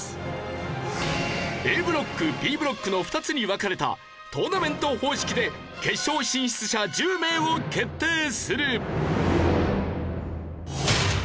ＡブロックＢブロックの２つに分かれたトーナメント方式で決勝進出者１０名を決定する！